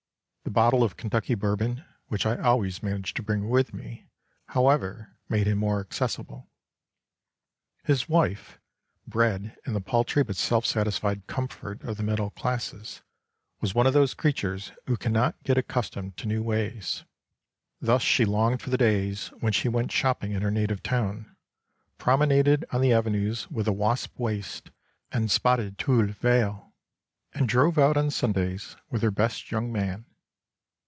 The bottle of Kentucky Bourbon, which I always managed to bring with me, however, made him more accessible. His wife, bred in the paltry but self satisfied comfort of the middle classes, was one of those creatures who can not get accustomed to new ways, thus she longed for the days when she went shopping in her native town, promenaded on the avenues with a wasp waist and spotted tulle veil, and drove out on Sundays with her best young man.